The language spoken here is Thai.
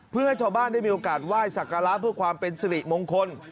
เพื่อให้ชาวบ้านได้มีโอกาสไหว้สักการะเพื่อความเป็นสิริมงคล